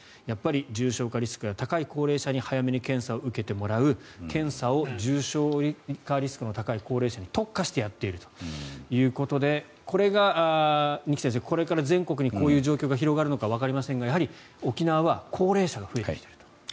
やっぱり重症化リスクが高い高齢者に早めに検査を受けてもらう検査を重症化リスクの高い高齢者に特化してやっているということでこれが二木先生、これから全国にこういう状況が広がるのかわかりませんが、沖縄は高齢者が増えてきていると。